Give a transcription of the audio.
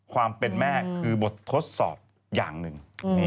ความเป็นแม่คือบททดสอบอย่างหนึ่ง